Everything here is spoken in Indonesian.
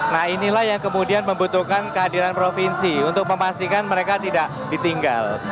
nah inilah yang kemudian membutuhkan kehadiran provinsi untuk memastikan mereka tidak ditinggal